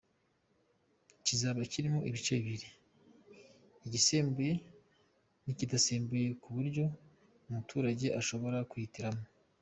Kizaba kirimo ibice bibiri, igisembuye n’ikidasembuye ku buryo abaturage bashobora kwihitiramo.